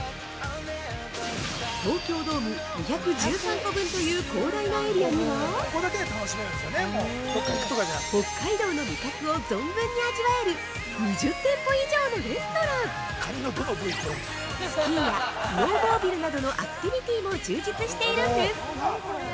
東京ドーム２１３個分という広大なエリアには北海道の味覚を存分に味わえる２０店舗以上のレストランスキーやスノーモービルなどのアクティビティも充実しているんです。